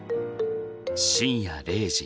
深夜０時。